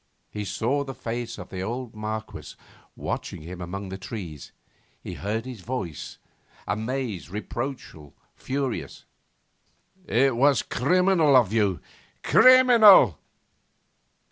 He saw the face of the old Marquess watching him among the tree trunks. He heard his voice, amazed, reproachful, furious: 'It was criminal of you, criminal